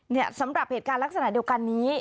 เนี่ยสำหรับหลักษณะเดียวกันนี้